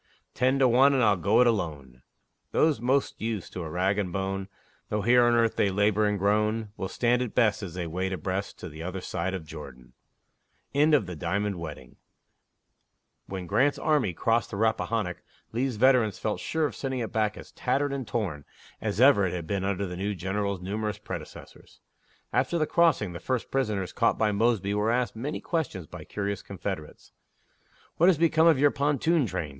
Ten to one, and I'll go it alone; Those most used to a rag and bone, Though here on earth they labor and groan, Will stand it best, as they wade abreast To the other side of Jordan. When Grant's army crossed the Rappahannock Lee's veterans felt sure of sending it back as "tattered and torn" as ever it had been under the new general's numerous predecessors. After the crossing, the first prisoners caught by Mosby were asked many questions by curious Confederates. "What has become of your pontoon train?"